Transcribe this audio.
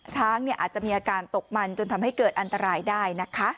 ช้างอาจจะมีอาการตกมันจนทำให้เกิดอันตรายได้นะคะ